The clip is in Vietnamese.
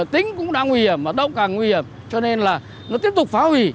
tính cũng đang nguy hiểm hoạt động càng nguy hiểm cho nên là nó tiếp tục phá hủy